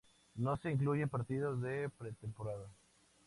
No se incluyen partidos de pretemporada